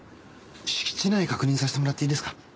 敷地内確認させてもらっていいですか？